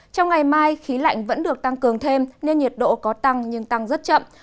trong ngày mai khí lạnh vẫn được tăng cường thêm nên nhiệt độ có tăng nhưng tăng rất chậm